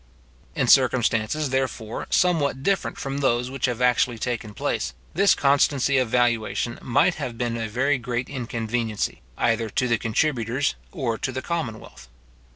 In circumstances, therefore, somewhat different from those which have actually taken place, this constancy of valuation might have been a very great inconveniency, either to the contributors or to the commonwealth.